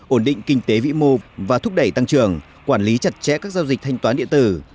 ổn định kinh tế vĩ mô và thúc đẩy tăng trưởng quản lý chặt chẽ các giao dịch thanh toán điện tử